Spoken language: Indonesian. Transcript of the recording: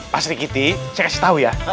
pak sri giti saya kasih tau ya